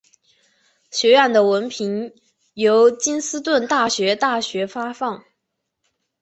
学院的文凭由金斯顿大学大学发放。